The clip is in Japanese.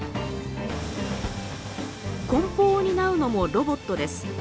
こん包を担うのもロボットです。